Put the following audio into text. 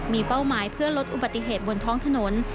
มีเป้าหมายเพื่อลดอุบัติเหตุบนท้องถนน